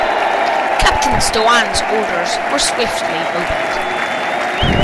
Captain Doane's orders were swiftly obeyed.